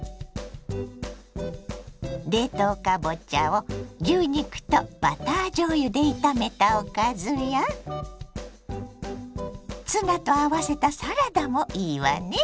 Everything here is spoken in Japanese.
冷凍かぼちゃを牛肉とバターじょうゆで炒めたおかずやツナと合わせたサラダもいいわね。